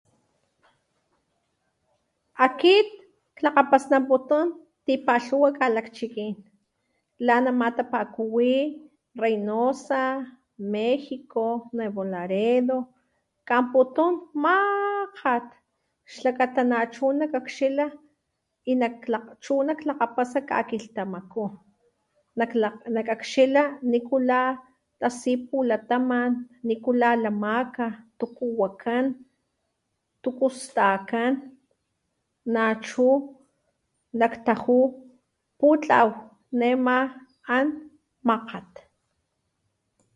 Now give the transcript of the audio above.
Akit lakgapastlanputún tipalhuwa kalakchiki la nama tapakuwí Reynosa, México, Nuevo Laredo, kamputum maaakgat xlakata na chu nak kakgxilan y nak lak chú nakglakgapasa kakilhtamakú nak lan lakakgxila nikulá tasi pulataman nikulá lamaka tuku wakán tuku slhakán nachú nak tajú putlaw nema an makgat.